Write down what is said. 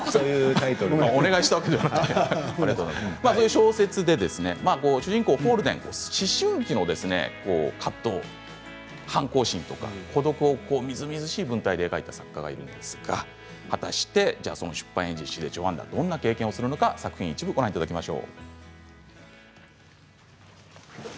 小説で主人公ホールデン思春期の葛藤反抗心とか孤独をみずみずしい文体で描いた作家がいるんですが果たして出版エージェンシーでジョアンナがどんな経験をするのか一部ご覧いただきます。